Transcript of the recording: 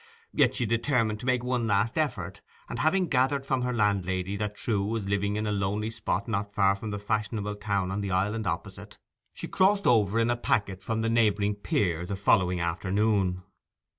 Yet she determined to make a last effort; and having gathered from her landlady that Trewe was living in a lonely spot not far from the fashionable town on the Island opposite, she crossed over in the packet from the neighbouring pier the following afternoon.